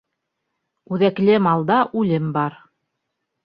Үҙәкле малда үлем бар.